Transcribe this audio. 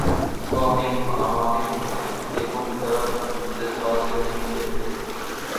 وہ عوامی خطیبوں کی طرح جذبات سے نہیں کھیلتے تھے۔